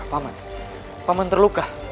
paman paman terluka